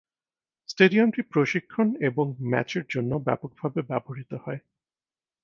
স্টেডিয়ামটি প্রশিক্ষণ এবং ম্যাচের জন্য ব্যাপকভাবে ব্যবহৃত হয়।